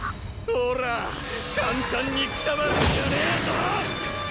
オラァ簡単にくたばるんじゃねえぞ！